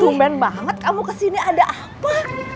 tuh men banget kamu kesini ada apa